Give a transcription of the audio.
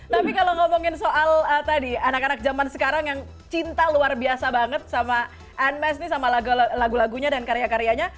tapi kalau ngomongin soal tadi anak anak zaman sekarang yang cinta luar biasa banget sama anmesh nih sama lagu lagunya dan karya karyanya